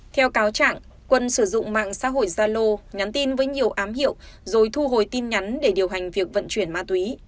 theo cáo trạng quân sử dụng mạng xã hội zalo nhắn tin với nhiều ám hiệu rồi thu hồi tin nhắn để điều hành việc vận chuyển ma túy